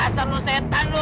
asal lu setan lu